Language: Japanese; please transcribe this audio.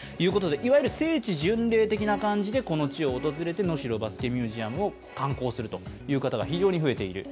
いわゆる聖地巡礼的な感じでこの地を訪れて能代バスケミュージアムを観光するという方が非常に増えている。